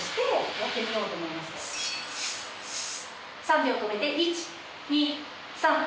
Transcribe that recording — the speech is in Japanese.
３秒止めて１・２・３。